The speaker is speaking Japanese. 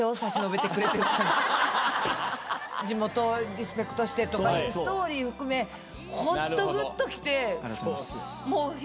地元リスペクトしてとかストーリー含めホントグッと来てもう響きましたね。